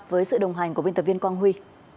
với sự đồng hành của biên tập viên quang huy